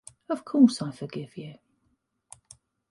Of course I forgive you.